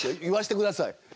言わしてください。